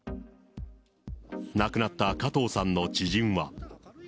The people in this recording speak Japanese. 亡くなった加藤さんの知人は。